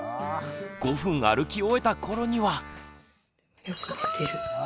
５分歩き終えた頃には。